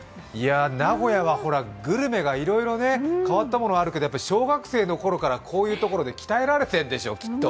名古屋はグルメがいろいろ変わったものあるけど、小学生のころからこういう所で鍛えられているんでしょう、きっと。